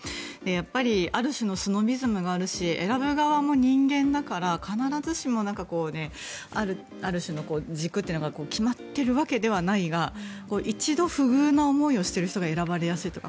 やっぱりある種の詩のリズムがあるし選ぶ側も人間だから必ずしもある種の軸というのが決まっているわけではないが一度不遇な思いをしている人が選ばれやすいとか。